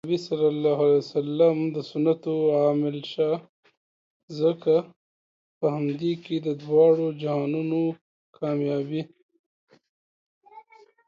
د نبي ص د سنتو عاملشه ځکه په همدې کې د دواړو جهانونو کامیابي